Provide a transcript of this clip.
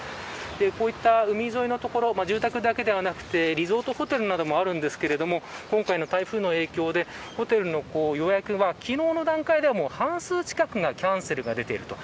こういった海沿いの所住宅だけではなくてリゾートホテルなどもあるんですけれど今回の台風の影響でホテルの予約が昨日の段階では、もう半数近くキャンセルが出ている。